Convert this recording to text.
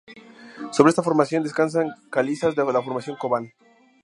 Sobre esta formación, descansan calizas de la Formación Cobán.